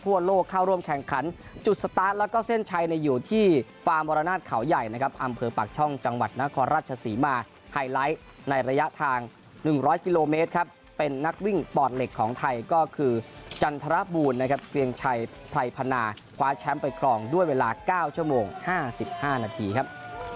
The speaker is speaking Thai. วรรณาชเขาใหญ่นะครับอำเภอปากช่องจังหวัดนครราชศรีมาไฮไลท์ในระยะทาง๑๐๐กิโลเมตรครับเป็นนักวิ่งปอดเหล็กของไทยก็คือจันทรบูลนะครับเตียงชัยไพรพนาคว้าแชมป์ไปกรองด้วยเวลา๙ชั่วโมง๕๕นาทีครับ